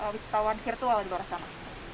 wisatawan virtual di bawah sana